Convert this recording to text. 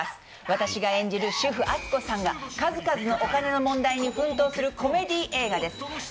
私が演じる主婦・篤子さんが数々のお金の問題に奮闘するコメディー映画です。